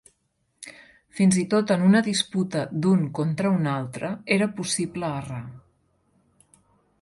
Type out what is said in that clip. Fins i tot en una disputa d'un contra un altre era possible errar.